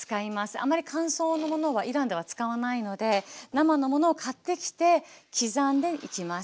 あんまり乾燥のものはイランでは使わないので生のものを買ってきて刻んでいきます。